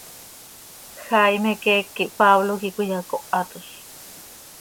Jaime quih eec quih Pablo quih cöiyacóhatol.